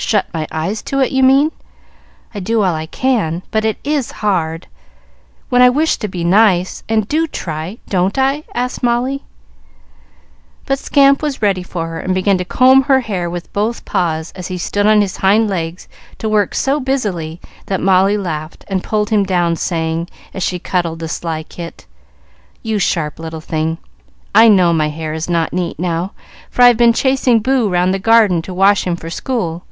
"Shut my eyes to it, you mean? I do all I can, but it is hard, when I wish to be nice, and do try; don't I?" asked Molly. But Scamp was ready for her, and began to comb her hair with both paws as he stood on his hind legs to work so busily that Molly laughed and pulled him down, saying, as she cuddled the sly kit. "You sharp little thing! I know my hair is not neat now, for I've been chasing Boo round the garden to wash him for school.